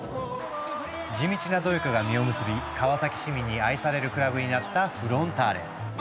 地道な努力が実を結び川崎市民に愛されるクラブになったフロンターレ。